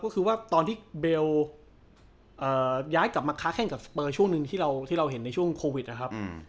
ก็คือว่าตอนที่เบลย้ายกลับมาค้าแข้งกับสเปอร์ช่วงหนึ่งที่เราเห็นในช่วงโควิดนะครับ